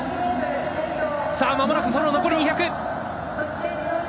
さあまもなくその残り２００。